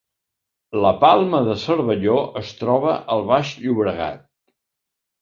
La Palma de Cervelló es troba al Baix Llobregat